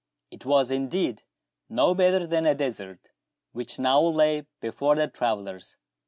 It was indeed no better than a desert which now lay before the travellers.